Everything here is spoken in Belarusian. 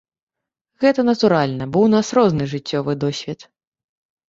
Гэта натуральна, бо ў нас розны жыццёвы досвед.